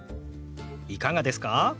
いかがですか？